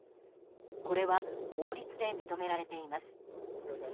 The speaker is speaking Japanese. これは法律で認められています。